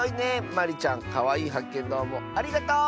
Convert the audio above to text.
まりちゃんかわいいはっけんどうもありがとう！